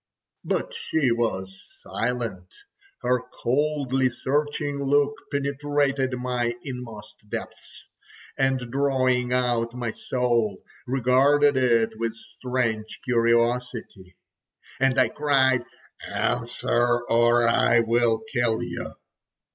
But she was silent. Her coldly searching look penetrated my inmost depths, and drawing out my soul, regarded it with strange curiosity. And I cried: "Answer, or I will kill you!"